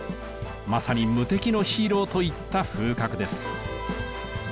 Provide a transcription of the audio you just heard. まさに「無敵のヒーロー」といった風格です。